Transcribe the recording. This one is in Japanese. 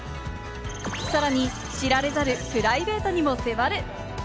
さらに知られざるプライベートにも迫る！